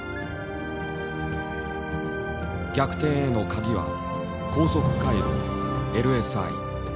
逆転へのカギは高速回路ＬＳＩ。